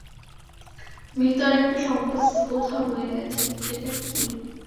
ভিতরে একটা সংকোচ কোথাও রয়ে গেছে, সেটা কী?